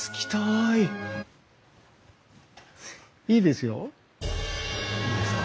いいですか？